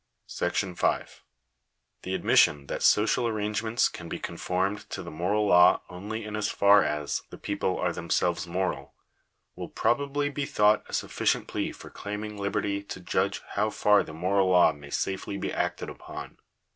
§5 The admission that social arrangements can be conformed to the moral law only in as far as the people are themselves moral, will probably be thought a sufficient plea for claiming liberty to judge how far the moral law may safely be acted upon.